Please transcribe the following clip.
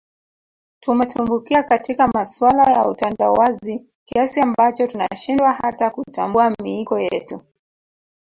Tumetumbukia katika masuala ya utandawazi kiasi ambacho tunashindwa hata kutambua miiko yetu